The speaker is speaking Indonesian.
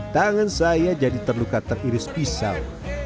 tangan saya jadi terluka teriris pisau